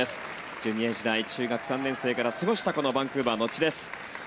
ジュニア時代中学３年生から過ごしたこのバンクーバーの地です。